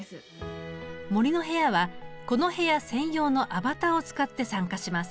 「もりのへや」はこの部屋専用のアバターを使って参加します。